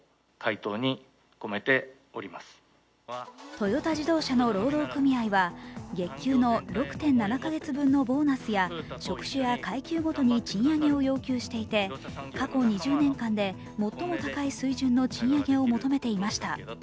トヨタ自動車の労働組合は月給の６．７か月分のボーナスや職種や階級ごとに賃上げを予定していて過去２０年間で最も高い水準の賃上げを求めていました。